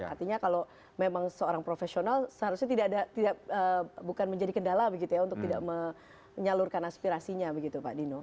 artinya kalau memang seorang profesional seharusnya tidak bukan menjadi kendala begitu ya untuk tidak menyalurkan aspirasinya begitu pak dino